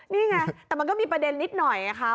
นี่ไงแต่มันก็มีประเด็นนิดหน่อยไงคะ